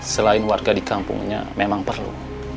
selain warga di kampungnya memang perlu